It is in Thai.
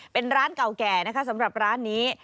เป็นร้านเก่าแก่นะคะสำหรับร้านนี้